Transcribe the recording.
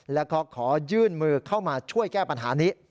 แล้วก็ขอยื่นมือเข้ามาช่วยแก้ปัญหานี้